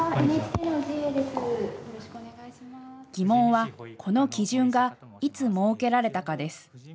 疑問はこの基準がいつ設けられたかです。